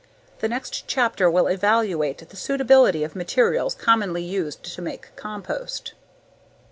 The next chapter will evaluate the suitability of materials commonly used to make compost.